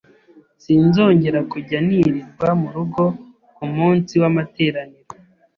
sinzongera kujya nirirwa murugo kumunsi w’amateraniro.